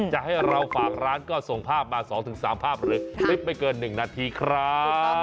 จะให้เราฝากร้านก็ส่งภาพมา๒๓ภาพหรือคลิปไม่เกิน๑นาทีครับ